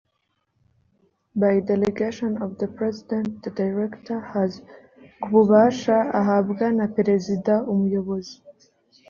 by delegation of the president the director has ku bubasha ahabwa na perezida umuyobozi